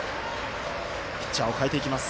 ピッチャーを代えていきます